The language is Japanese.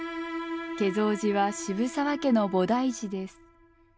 華蔵寺は渋沢家の菩提寺です。